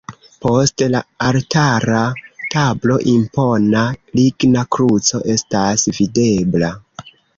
Post la altara tablo impona ligna kruco estas videbla.